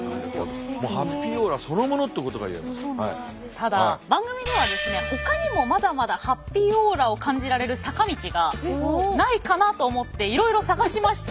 ただ番組ではですねほかにもまだまだハッピーオーラを感じられる坂道がないかなと思っていろいろ探しました！